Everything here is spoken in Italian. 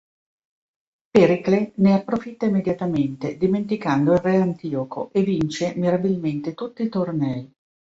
Pericle ne approfitta immediatamente, dimenticando il re Antioco, e vince mirabilmente tutti i tornei.